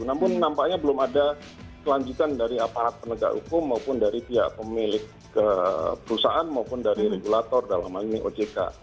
namun nampaknya belum ada kelanjutan dari aparat penegak hukum maupun dari pihak pemilik perusahaan maupun dari regulator dalam hal ini ojk